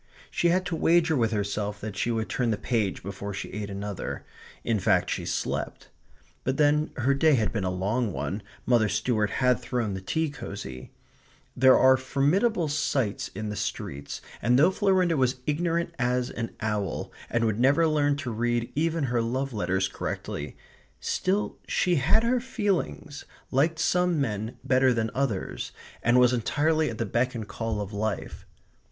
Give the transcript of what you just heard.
She had to wager with herself that she would turn the page before she ate another. In fact she slept. But then her day had been a long one, Mother Stuart had thrown the tea cosy; there are formidable sights in the streets, and though Florinda was ignorant as an owl, and would never learn to read even her love letters correctly, still she had her feelings, liked some men better than others, and was entirely at the beck and call of life.